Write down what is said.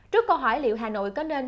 trước câu hỏi liệu hà nội có nên